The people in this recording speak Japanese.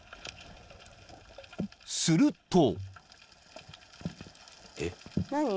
［すると］